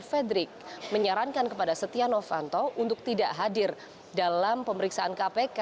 fredrik menyarankan kepada setia novanto untuk tidak hadir dalam pemeriksaan kpk